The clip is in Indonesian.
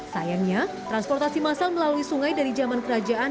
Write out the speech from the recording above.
sayangnya transportasi masal melalui sungai dari zaman kerajaan